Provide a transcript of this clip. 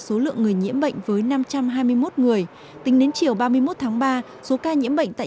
số lượng người nhiễm bệnh với năm trăm hai mươi một người tính đến chiều ba mươi một tháng ba số ca nhiễm bệnh tại